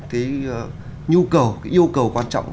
cái nhu cầu cái yêu cầu quan trọng